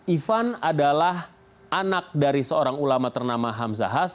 ivan adalah anak dari seorang ulama ternama hamzahas